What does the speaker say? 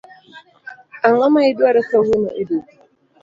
Ango ma idwaro kawuono e duka?